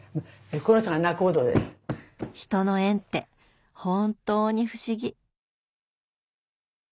人の縁って本当に不思議。